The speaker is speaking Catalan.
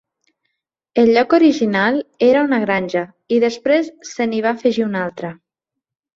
El lloc original era una granja i després se n'hi va afegir una altra.